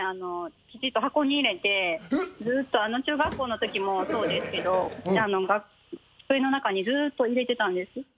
きちっと箱に入れてずっとあの中学校のときもそうですけど机の中にずっと入れてたんです。